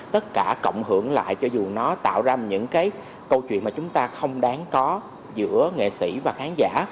tất cả cộng hưởng lại cho dù nó tạo ra những cái câu chuyện mà chúng ta không đáng có giữa nghệ sĩ và khán giả